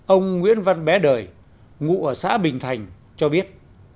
ông nguyễn văn bé đời ngụ ở xã bình thành cho biết